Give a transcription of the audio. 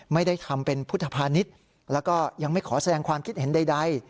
ไม่ได้ทำเป็นพุทธภานิษฐ์แล้วก็ยังไม่ขอแสดงความคิดเห็นใด